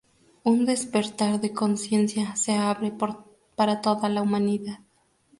Un despertar de conciencia se abre para toda la humanidad.